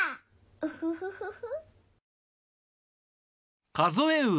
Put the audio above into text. ウフフフフ。